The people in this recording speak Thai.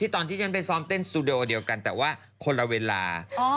ตอนที่ฉันไปซ้อมเต้นสูโดเดียวกันแต่ว่าคนละเวลา